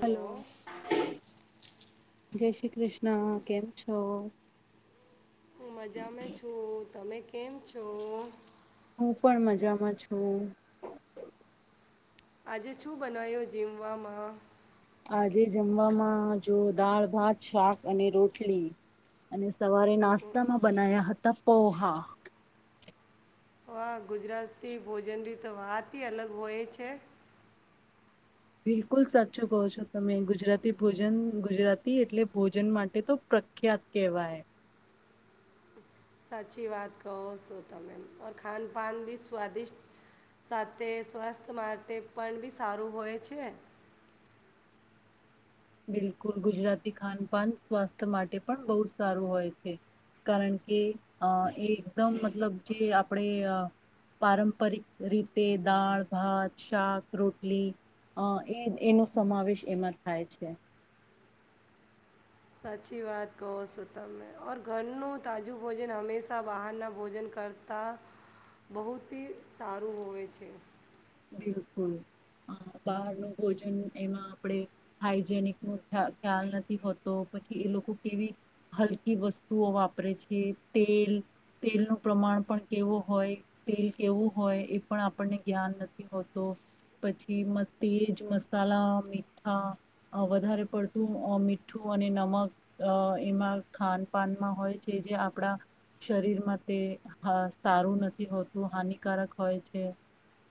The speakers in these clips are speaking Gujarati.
હલો. જય શ્રી કૃષ્ણ. કેમ છો? હું મજામાં છું. તમે કેમ છો? હું પણ મજામાં છું. આજે શું બનાયું જીમવામાં? આજે જમવામાં જો દાળ ભાત શાક અને રોટલી અને સવારે નાસ્તામાં બનાયા હતા પૌહા. વાહ ગુજરાતી ભોજન ની તો વાત અલગ હોય છે. બિલકુલ સાચું કહો છો તમે ગુજરાતી ભોજન ગુજરાતી એટલે ભોજન માટે તો પ્રખ્યાત કહેવાય. સાચી વાત કહો સો તમે ઓર ખાનપાન ભી સ્વાદિષ્ટ સાથે સ્વાસ્થ માટે પણ બી સારું હોય છે. બિલકુલ ગુજરાતી ખાનપાન સ્વાસ્થ્ય માટે પણ બહુ સારું હોય છે. કારણ કે અહ એ એકદમ મતલબ જે આપડે અહ પારંપરિક રીતે દાળ ભાત શાક રોટલી અહ એ એનો સમાવેશ એમાં થાય છે. સાચી વાત કહો સો તમે ઓર ઘરનું તાજું ભોજન હંમેશા બહારનાં ભોજન કરતાં બહુત હી સારું હોય છે. બિલકુલ અહ બહારનું ભોજન એમાં આપડે હાઈજેનિક નુ ખ્યાલ નથી હોતો પછી એ લોકો કેવી હલકી વસ્તુઓ વાપરે છે. તેલ તેલનું પ્રમાણ પણ કેવું હોય તેલ કેવું હોય એ પણ આપણને જ્ઞાન ન થી હોતો પછી તેજ મસાલા મીઠા અહ વધારે પડતું અહ મીઠું અને નમક અહ એમાં ખાન પાાનમાં હોય છે જે આપડા શરીરમાં તે હા સારું નથી હોતું હાનિકારક હોય છે.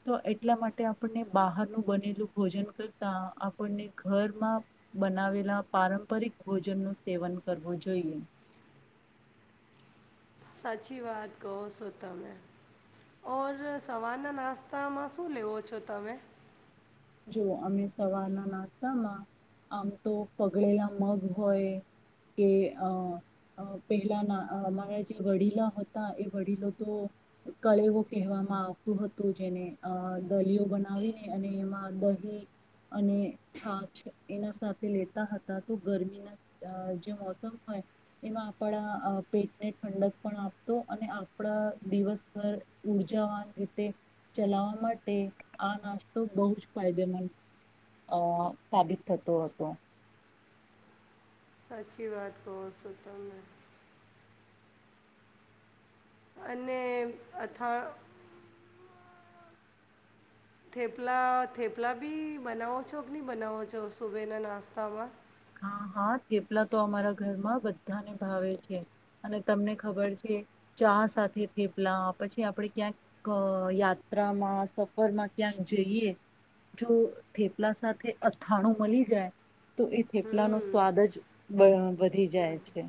તો એટલા માટે આપણને બહારનું બનેલું ભોજન કરતા આપણને ઘરમાં બનાવેલા પારંપરિક ભોજનનું સેવન કરવું જોઈએ. સાચી વાત કહો સો તમે. ઓર સવારના નાસ્તામાં શું લેવો છો તમે? જો અમે સવારના નાસ્તામાં આમ તો પગળેલા મગ હોય કે અહ અહ પહેલા અહ અમારા જે વડીલા હતા એ વડીલો તો કળવો કહેવામાં આવતું હતું જેને અહ દલીયો બનાવીને અને એમાં દહી અને છાછ એના સાથે લેતા હતા તો ગરમીના અહ જે મોસમ હોય એમાં આપડા અહ પેટને ઠંડક પણ આપતો અને આપડા દિવસભર ઉર્જાવાન રીતે ચલાવવા માટે આ નાસ્તો બહુ જ ફાયદેમંદ અહ સાબિત થતો હતો. સાચી વાત કોહ સો તમે. અને અથા થેપલા થેપલા બી બનાવો છો કે નઈ બનાવો છો સુબે ના નાસ્તામાં? હા હા થેપલા તો અમારા ઘરમાં બધાને ભાવે છે. અને તમને ખબર છે ચા સાથે થેપલા પછી આપડે ક્યાંક અહ યાત્રામાં સફરમાં ક્યાંક જઈએ જો થેપલા સાથે અથાણું મલી જાય તો એ થેપલા નો હમ સ્વાદ અજ બ વધી જાય ગુડ. છે.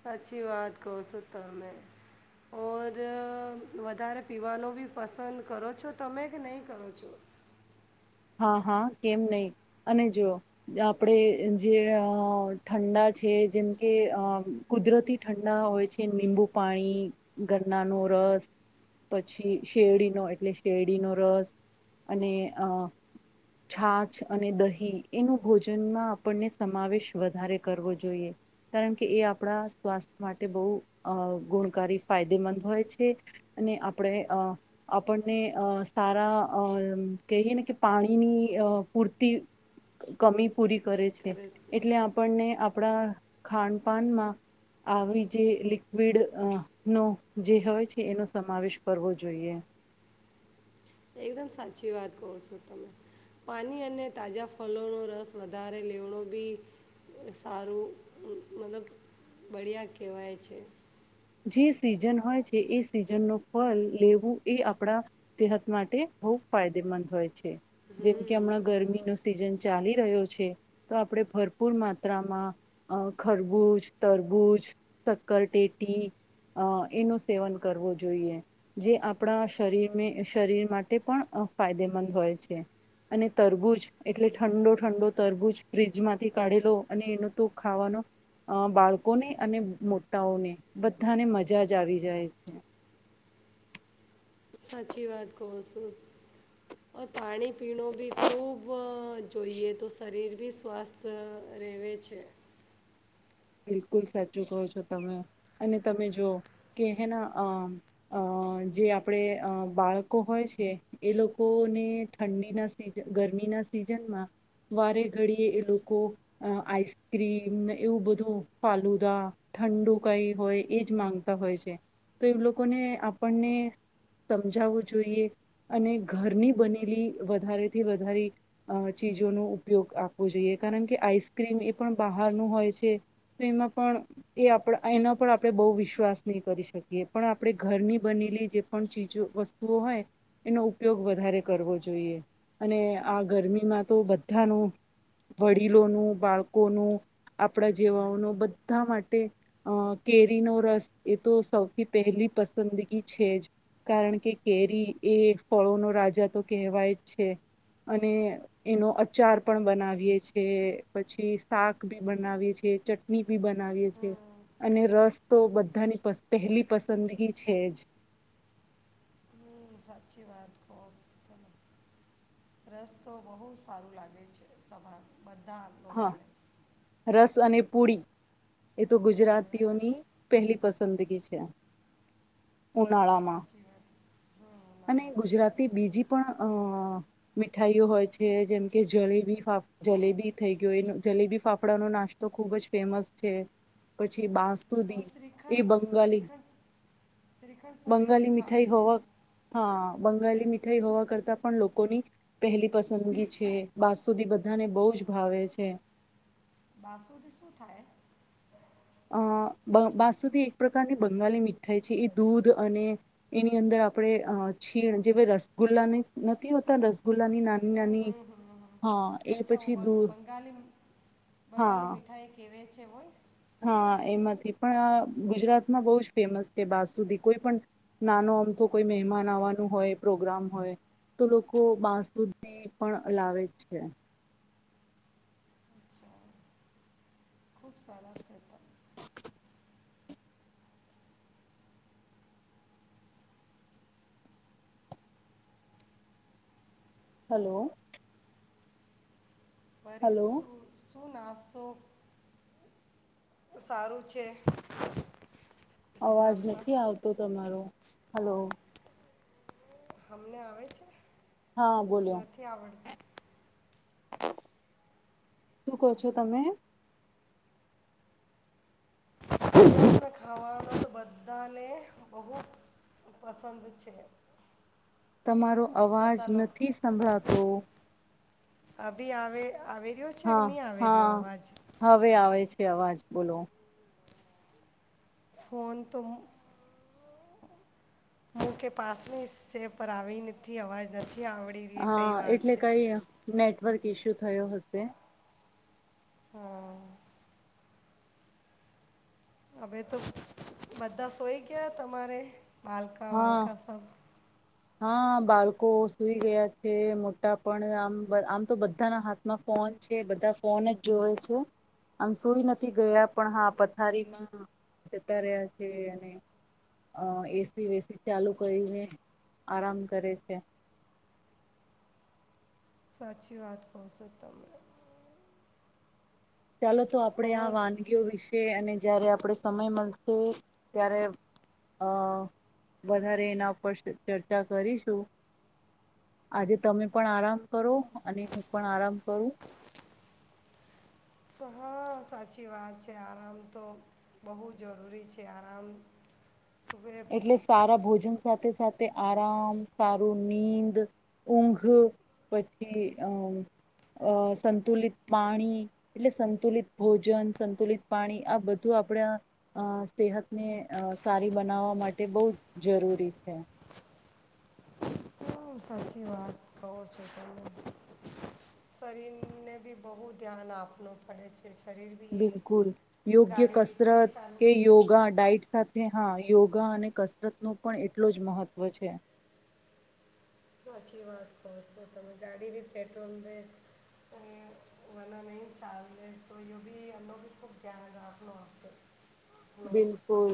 સાચી વાત કહો સો તમે. ઓર અહ વધારે પીવાનું બી પસંદ કરો છો તમે કે નહીં કરો છો? હા હા કેમ નહી અને જોઓ આપડે જે અહ ઠંડા છે જેમ કે અહ કુદરતી ઠંડા હોય છે નિબુ પાણી ગરનાનો રસ પછી શેરડીનો એટલે શેરડીનો રસ અને અહ છાછ અને દહી એનું ભોજનમાં આપણને સમાવેશ વધારે કરવો જોઈએ કારણ કે એ આપડા સ્વાસ્થ્ય માટે બહુ અહ ગુણકારી ફાયદેમંદ હોય છે અને આપણે અહ આપણને અહ સારા અહ કહીએને કે પાણીની અહ પૂરતી કમી પૂરી કરે છે. એટલે આપણને આપ આપડા ખાનપાનમાં આવી જે લિક્વિડ અહ નો જે હોય છે એનો સમાવેશ કરવો જોઈએ. એકદમ સાચી વાત કહો સો તમે. પાની અને તાજા ફલોનો રસ વધારે લેવણો બી સારું અહ મતલબ બળિયા કહેવાય છે. જે સિઝન હોય છે એ સિઝન ન ફલ લેવું એ આપણા સેહત માટે બહ ફાયદેમંદ હોય છે. જેમ કે હમણાં ગરમી નો સિઝન ચાલી રહ્યો છે તો આપણે ભરપૂર માત્રામાં ખરબૂજ તરબૂજ સક્કરટેટ ટી એનું સેવન કરવું જોઈએ જે આપણા શરીરને શરીર માટે પણ અ ફાયદેમંદ હોય છે અને તરબૂજ એટલે ઠંડો ઠંડો તરબૂજ ફ્રીજમાંથી કાઢેલો અને એનો તો ખાવાનો બાળકોને અને મોટાઓને- બધાને મજા જ આવી જાય છે. સાચી વાત કો. શું પાણી પીણ બી ખુબ જોઈએ તો શરીર બી સ્વસ્થ રહેવે છે. બિલકુલ સાચું કહો છો તમે અને તમે જો કે હેના અ જે આપણે બાળકો હોય છે એ લોકોને ઠંડીના સી ગરમીના સિઝનમાં વારે ઘડીએ એ લોકો આઈસ્ક્રીમ એવું બધું ધૂ ફાલુદા ઠંડુ કઈ હોય એ જ માંગતા હોય છે તો એ લોકોને આપણને સમજાવવું જોઈએ અને ઘરની બનેલી વધારેથી વધારે ચીજોનો ઉપયોગ આપવો જોઈએ, કારણ કે આઈસક્રીમ એ પણ બહારનું હોય છે. એમાં પણ એ આપ એના પર આપણે બહુ વિશ્વાસ નહી કરી શકીએ પણ આપણે ઘરની બનેલી જે પણ ચીજો વસ્તુઓ હોય એનો ઉપયોગ વધારે કરવો જોઈએ અને આ ગરમીમાં તો બધાનું વડીલોનું બાળકોનું આપણા જેવાઓનો બધા માટે અ કેરીનો રસ એ તો સૌથી પહેલી પસંદગી છે જ કારણ કે કેરી એ ફળોનો રાજા તો કેહેવાય જ છે અને એનો અચાર પણ બનાવીએ છે પછી શાક બી બનાવીએ છ છે ચટણી ભી બનાવીએ છે હમ, અને રસ તો બધાની પહેલી પસંદગી છે જ. હમ, સાચી વાત કો છો તમે રસ તો બહુ સારું લાગે છે સભા બધા લોગાને. પુડી એ તો ગુજરાતીઓની પહેલી પસંદગી છે. ઉનાળમાં સાચી વાત હમ ના અને ના ના ગુજરાતી બીજી પણ અ મીઠાઈઓ હોય છે શ્રી જેમકે જલેબી જલેબી થઈ ગયો જલેબી ફાફડાનો નાસ્તો ખુબ જ ફેમસ છે પછી બાસ ઓ શ્રીખંડ શ્રીખંડ શ્રીખંડ પ પોડી ભી બંગાલી ખાવે મીઠાઈ છે. હોવા હા બંગાલી મીઠાઈ હોવા કરતા પણ લોકોની પહેલી પસંદગી છે બાસુધી બધ [unintelligible] બહુ જ ભાવે છે. બાસુથી શું થાય? અ બાસુધી એક પ્રકારની બંગાલી મીઠાઈ છે, એ દૂધ અને એની અંદર આપણે છીણ જે રસગુલ્લાને નથી હોતા રસગુલ્લા ની નાની હમ નાની હમ હમ હમ. હા એ અચ્છા ઓ પછી બંગ- દૂર બંગાળી હા બંગાળી મીઠાઈ કહેવે છે વોઇસ હા એમાંથી પણ આ ગુજરાતમાં બહુ જ ફેમસ છે બાસુદી કોઈ પણ નાનો અમથો કોઈ મહેમાન આવવાનું હોય પ્રોગ્રામ હોય તો લોકો બાસુદી પણ લાવે જ છે. ખુબ સરસ એત હલો. પરીસ હલો શું નાસ્તો સારું છે? અવાજ ગુજરાતમાં નથી આવતો તમારો. હલો. અમને આવે છે. હા બોલ્યો નથી આવડત શું કહો છો તમે? ખાવાનું જ બધાને બહુ પસંદ છે. તમારો અવાજ બધા લોકો નથી સંભળાતો. અભી આવે આવી રહ્યો છે કે હા નહીં આવી હા રહ્યો અવાજ હવે આવે છે અવાજ. બોલો. ફોન તો મુ કે પાસની સે પર આવી નથી અવાજ નથી. આવડી ર એ કઈ હા વાત એટલે છે. કઈ નેટવર્ક ઈસ્યુ થયો હશે. હાં. હવે તો બધા સોઈ ગયા તમારે બાલકા હા વાલકા સબ હા બાલકો સુઈ ગયા છે. મોટા પણ આમ આમ તો બધાના હાથમાં ફોન છે બધા ફોન જ જોવે છે. આમ સુઈ નથી ગયા પણ હા પથારીમાં જતા રહ્યા છે. અને એસી વેસી ચાલુ કરીને આરામ કરે છે. સાચી વાત કહો છો તમે. ચાલો તો આપડે ઓર આ વાનગીઓ વિશે અને જયારે આપડે સમય મળશે ત્યારે અ વધારે એના ઉપર ચર્ચા કરીશું આજે તમે પણ આરામ કરો અને હું પણ આરામ કરું. હા સાચી વાત છે, આરામ તો બહુ જરૂરી છે. આરામ સુબે એટલે સારા ભોજન સાથે સાથે આરામ, સારું નીંદ, ઊંઘ પછી અ અ સંતુલિત પાણી, એટલે સંતુલિત ભોજન સંતુલિત, પાણી આ બધું આપણે સેહતને અ સારી બનાવવા માટે બઉ જરૂરી છે. હમ, સાચી વાત કહો છો તમે. શરીરને બી બહુ ધ્યાન આપવું પડે છે. શરીર બી એક બિલકુલ યોગ્ય ગાડી રીતે કસરત ચાલુ કે યોગા, ડાઇટ સા થે હા યોગા અને કસરત નું પણ એટલો જ મહત્વ છે. ચી વાત કહો છો તમે ગાડી બી પેટ્રોલ દે, અને મના નહીં ચાલ દે તો યો બી અનો બી ખૂબ ધ્યાન રાખનો આપે. બિલકુલ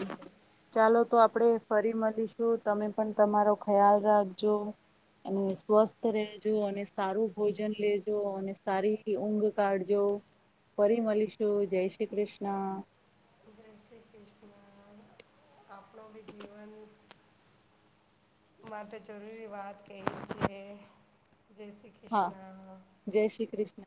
ચાલો તો આપડે ફરી મલીશું તમે પણ તમારો ખ્યાલ રાખજો. અને સ્વસ્થ રહેજો. અને સારું ભોજન લેજો, અને સારી ઊંઘ કાઢજો, ફરી મલીશું જય શ્રી કૃષ્ણ. [unintelligible] આપણો બી જીવન માટે જરૂરી વાત કહી છે. જય શ્રી હા કૃષ્ણ જય શ્રી ક્રિષ્ન.